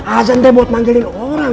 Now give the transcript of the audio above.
azan deh buat manggilin orang